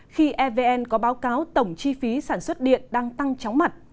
khi evn có báo cáo tổng chi phí sản xuất điện đang tăng chóng mặt